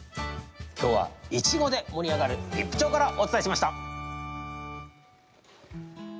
今日はイチゴで盛り上がる比布町からお伝えしました。